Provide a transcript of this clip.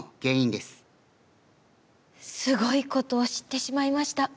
すごいことを知ってしまいました。